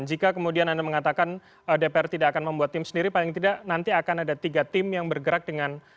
jika kemudian anda mengatakan dpr tidak akan membuat tim sendiri paling tidak nanti akan ada tiga tim yang bergerak dengan